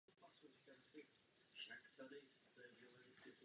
Zadní část přízemí je zděná.